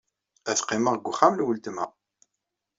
Ad qqimeɣ deg wexxam n weltma.